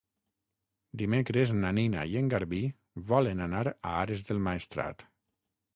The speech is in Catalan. Dimecres na Nina i en Garbí volen anar a Ares del Maestrat.